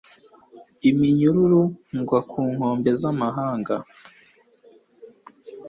iminyururu, ngwa ku nkombe z'amahanga